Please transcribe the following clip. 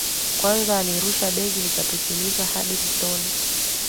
Kwanza alirusha begi likapitiliza hadi mtoni